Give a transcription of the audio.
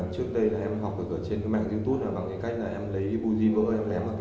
thủ phạm gây ra các vụ đập kính hình ảnh hướng dẫn trên mạng internet